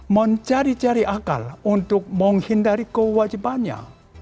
mencari cari akal untuk menghindari kewajibannya